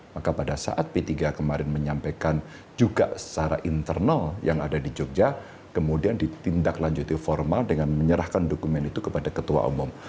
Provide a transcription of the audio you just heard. maka pada saat p tiga kemarin menyampaikan juga secara internal yang ada di jogja kemudian ditindaklanjuti formal dengan menyerahkan dokumen itu kepada ketua umum